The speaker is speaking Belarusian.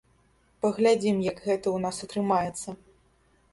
Паглядзім, як гэта ў нас атрымаецца.